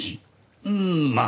うんまあね。